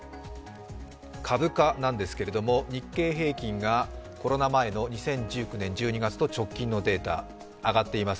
株価なんですが、日経平均がコロナ前の２０１９年１２月と直近のデータ、上がっています。